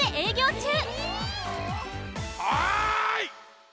はい！